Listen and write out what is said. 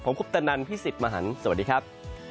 ผมคุปตะนันพี่สิทธิ์มหันฯสวัสดีครับ